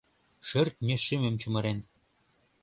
Шӧртньӧ шӱмым чумырен.